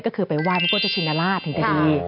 ก็คือไปไหว้พระโกเจ้าชินราชถึงจะดี